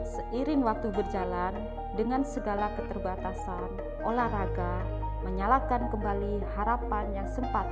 seiring waktu berjalan dengan segala keterbatasan olahraga menyalakan kembali harapan yang sempat